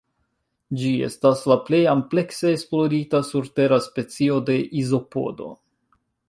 Ĝi estas la plej amplekse esplorita surtera specio de izopodo.